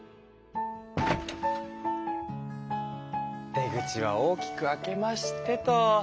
出口は大きく開けましてと。